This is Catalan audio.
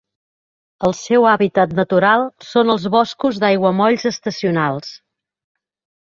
El seu hàbitat natural són els boscos d'aiguamolls estacionals.